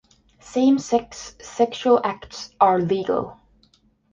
Same-sex sexual acts are legal.